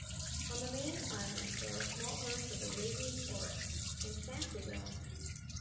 On the main island there are small herds of Arabian oryx and sand gazelle.